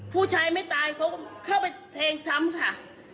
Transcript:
ผู้ชายไม่ตายเขาก็เข้าไปแทงซ้ำค่ะ